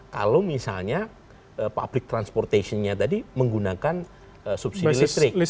kalau misalnya public transportationnya tadi menggunakan subsidi listrik